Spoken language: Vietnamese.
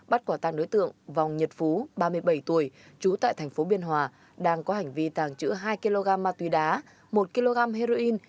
bắt quả tàng đối tượng vòng nhật phú ba mươi bảy tuổi trú tại thành phố biên hòa đang có hành vi tàng trữ hai kg ma túy đá một kg heroin